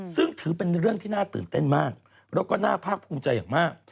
ซึ่งถือเป็นเรื่องที่น่าตื่นเต้นมากแล้วก็น่าภาคภูมิใจอย่างมาก